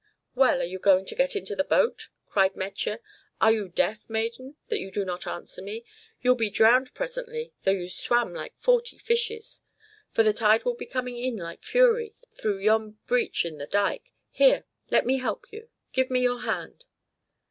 "Well, are you not going to get into the boat?" cried Metje; "are you deaf, maiden, that you do not answer me? You'll be drowned presently, though you swam like forty fishes, for the tide will be coming in like fury through yon breach in the dike. Here, let me help you; give me your hand."